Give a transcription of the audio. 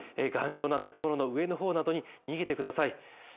頑丈な建物の上の方などに逃げてください。